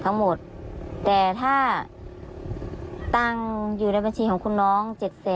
ทั้งหมดแต่ถ้าตังค์อยู่ในบัญชีของคุณน้อง๗๐๐